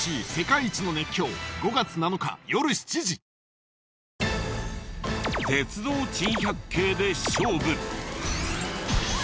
三井不動産鉄道珍百景で勝負！